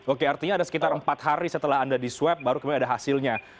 oke artinya ada sekitar empat hari setelah anda di swab baru kemudian ada hasilnya